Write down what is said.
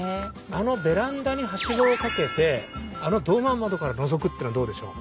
あのベランダにはしごをかけてあのドーマー窓からのぞくっていうのはどうでしょう？